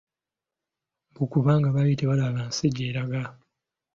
Mbu kubanga baali tebalaba nsi gy'eraga!